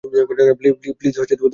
Please, দরজা খুলো।